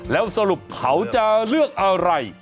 แล้วสรุปเขาจะเลือกอะไร